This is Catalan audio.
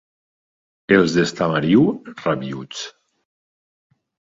Els d'Estamariu, rabiüts.